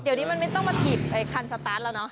เดี๋ยวนี้มันไม่ต้องมาถีบคันสตาร์ทแล้วเนาะ